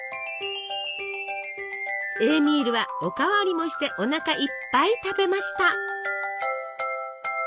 エーミールはお代わりもしておなかいっぱい食べました。